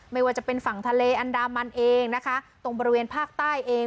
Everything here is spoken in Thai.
ไม่ว่าจะเป็นฝั่งทะเลอันดามันเองนะคะตรงบริเวณภาคใต้เอง